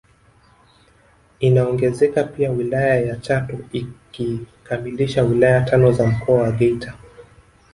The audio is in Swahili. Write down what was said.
Inaongezeka pia wilaya ya Chato ikikamilisha wilaya tano za Mkoa wa Geita